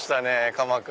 鎌倉。